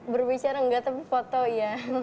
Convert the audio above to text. berbicara nggak tapi foto iya